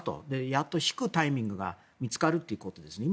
やっと引くタイミングが見つかるということですね。